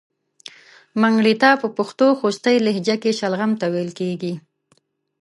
منګړیته په پښتو خوستی لهجه کې شلغم ته ویل کیږي.